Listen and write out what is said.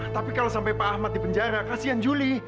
tapi kalau sampai pak ahmad di penjara kasihan juli